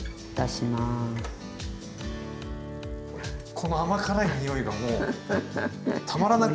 この甘辛い匂いがもうたまらなく。